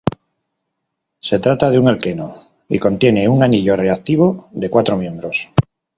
Se trata de un alqueno y contiene un anillo reactivo de cuatro miembros.